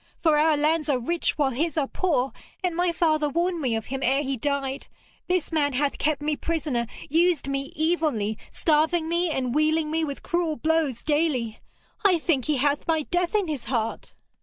For our lands are rich while his are poor, and my father warned me of him ere he died. This man hath kept me prisoner, used me evilly, starving me and wealing me with cruel blows daily. I think he hath my death in his heart.'